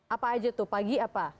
apa aja tuh pagi apa